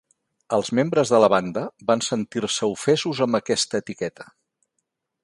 Els membres de la banda van sentir-se ofesos amb aquesta etiqueta.